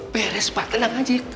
beres pak tenang aja